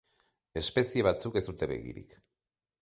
Espezie batzuk ez dute begirik.